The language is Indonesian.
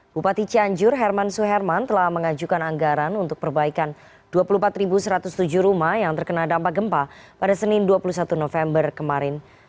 bupati cianjur herman suherman telah mengajukan anggaran untuk perbaikan dua puluh empat satu ratus tujuh rumah yang terkena dampak gempa pada senin dua puluh satu november kemarin